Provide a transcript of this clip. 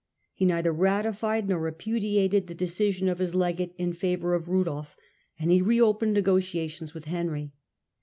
He neither ratified nor repudiated the decision of his legate in favour of Rudolf, and he reopened negotia tions with Henry.